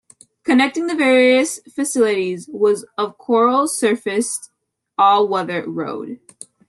Connecting the various facilities was of coral-surfaced all-weather road.